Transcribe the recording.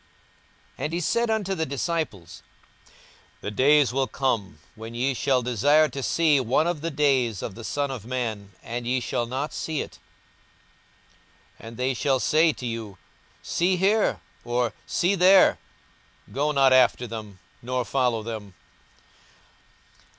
42:017:022 And he said unto the disciples, The days will come, when ye shall desire to see one of the days of the Son of man, and ye shall not see it. 42:017:023 And they shall say to you, See here; or, see there: go not after them, nor follow them.